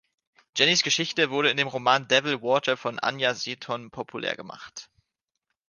Jennys Geschichte wurde in dem Roman „Devil Water” von Anya Seton populär gemacht.